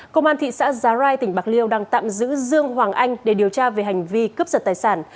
công an thị xã giá rai tỉnh bạc liêu đang tạm giữ dương hoàng anh để điều tra về hành vi cướp giật tài sản